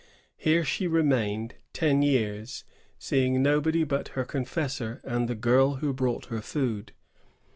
Here she remained ten years, seeing nobody but her confessor and the girl who brought her food.